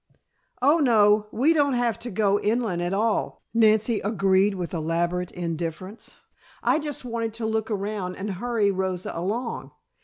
"Oh, no, we don't have to go inland at all," Nancy agreed with elaborate indifference. "I just wanted to look around and hurry Rosa along.